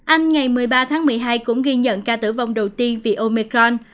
anh ngày một mươi ba tháng một mươi hai cũng ghi nhận ca tử vong đầu tiên vì omecron